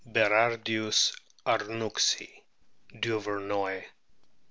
Berardius arnouxi, Duvernoy.